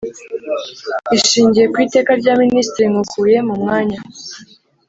Ishingiye ku Iteka rya Ministiri nkukuye mumwanya